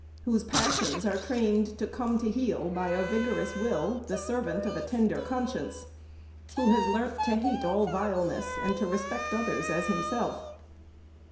whose passions are trained to come to heel by a vigorous will, the servant of a tender conscience ... who has learnt to hate all vileness and to respect others as himself.